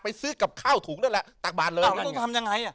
ไปซื้อกับข้าวถุงด้วยละตักบาทเลยต้องทำยังไง